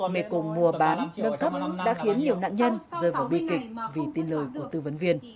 mê cùng mua bán nâng cấp đã khiến nhiều nạn nhân rơi vào bi kịch vì tin lời của tư vấn viên